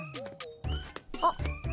あっ。